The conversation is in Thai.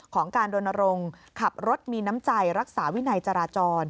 การดนรงค์ขับรถมีน้ำใจรักษาวินัยจราจร